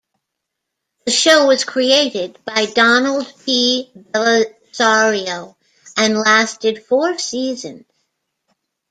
The show was created by Donald P. Bellisario and lasted four seasons.